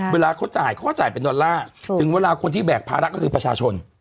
เวลาเขาจ่ายเขาก็จ่ายเป็นดอลลาร์ถึงเวลาคนที่แบกภาระก็คือประชาชน